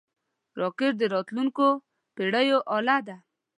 راکټ د راتلونکو پېړیو اله ده